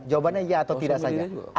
jawabannya iya atau tidak saja